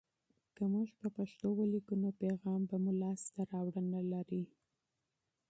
که موږ په پښتو ولیکو، نو پیغام به مو لاسته راوړنه لري.